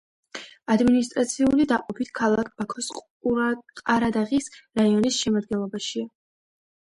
ადმინისტრაციული დაყოფით ქალაქ ბაქოს ყარადაღის რაიონის შემადგენლობაშია.